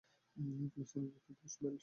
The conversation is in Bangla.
ফিলিস্তিনে দুটি দল বেশ সক্রিয়।